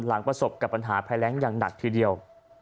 ประสบกับปัญหาภัยแรงอย่างหนักทีเดียว